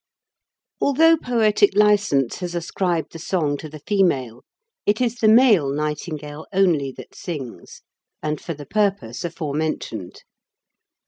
Although poetic licence has ascribed the song to the female, it is the male nightingale only that sings, and for the purpose aforementioned.